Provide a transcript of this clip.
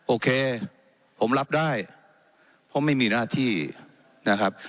โอเคผมรับได้เพราะไม่มีหน้าที่นะครับ